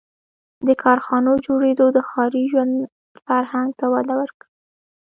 • د کارخانو جوړېدو د ښاري ژوند فرهنګ ته وده ورکړه.